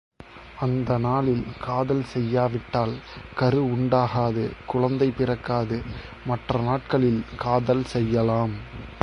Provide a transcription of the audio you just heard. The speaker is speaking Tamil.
அந்த நாளில் காதல் செய்யா விட்டால் கரு உண்டாகாது, குழந்தை பிறக்காது, மற்ற நாட்களில் காதல் செய்யலாம்.